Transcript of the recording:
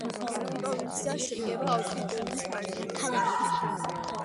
პროვინცია შედგება ოთხი მუნიციპალიტეტისგან.